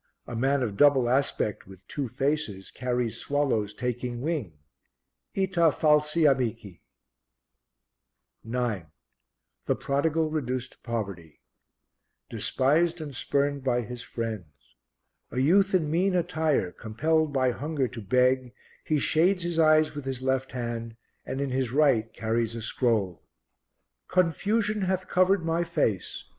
A man of double aspect, with two faces, carries swallows taking wing: "Ita falsi amici." 9. The Prodigal reduced to poverty despised and spurned by his friends. A youth in mean attire, compelled by hunger to beg, he shades his eyes with his left hand and in his right carries a scroll: "Confusion hath covered my face.